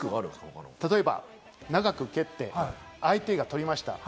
例えば長く蹴って、相手が取りました。